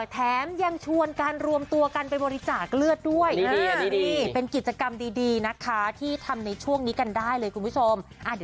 แถมยังชวนการรวมตัวกันไปบริจาคเลือดด้วยนี่เป็นกิจกรรมดีนะคะที่ทำในช่วงนี้กันได้เลยคุณผู้ชม